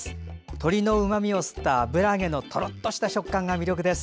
鶏のうまみを吸った油揚げのとろっとした食感が魅力です。